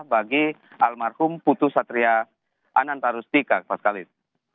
bagi almarhum putu satria anantarustika pak kalis